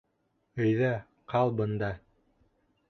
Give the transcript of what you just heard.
Әйҙә, ҡал бында.